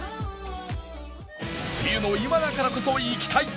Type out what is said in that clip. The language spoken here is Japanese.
梅雨の今だからこそ行きたい！